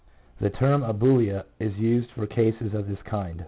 The term "abulia" 1 is used for cases of this kind.